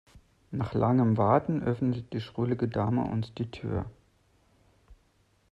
Nach langem Warten öffnete die schrullige Dame uns die Tür.